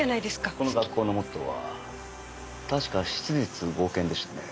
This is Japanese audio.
この学校のモットーは確か「質実剛健」でしたね。